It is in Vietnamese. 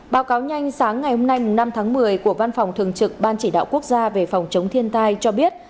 báo cáo nhanh sáng ngày hôm nay năm tháng một mươi của văn phòng thường trực ban chỉ đạo quốc gia về phòng chống thiên tai cho biết